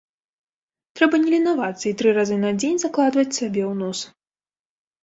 Трэба не ленавацца і тры разы на дзень закладваць сабе у нос.